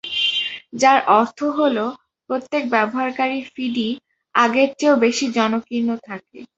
যার অর্থ হলো, প্রত্যেক ব্যবহারকারীর ফিডই আগের চেয়েও বেশি জনাকীর্ণ থাকে।